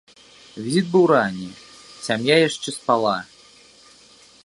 Візіт быў ранні, сям'я яшчэ спала.